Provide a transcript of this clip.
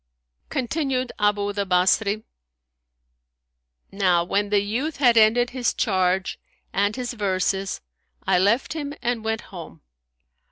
Continued Abu the Basri, "Now when the youth had ended his charge and his verses I left him and went home.